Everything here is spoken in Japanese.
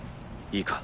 いいか？